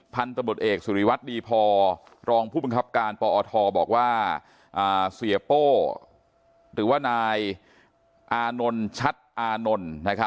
พันธุ์ตำรวจเอกสุริวัตรดีพอรองผู้บังคับการปอทบอกว่าเสียโป้หรือว่านายอานนท์ชัดอานนท์